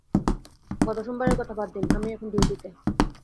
গত সোমবারের কথা বাদ দিন, আমি এখন ডিউটিতে।